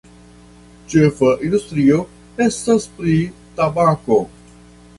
Ĉefa industrio estas pri tabako.